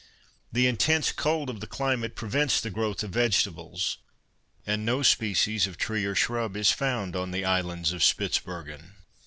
The intense cold of the climate prevents the growth of vegetables, and no species of tree or shrub is found on the islands of Spitzbergen.